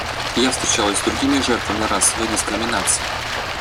Я встречалась с другими жертвами расовой дискриминации.